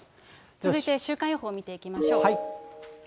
続いて週間予報見ていきましょう。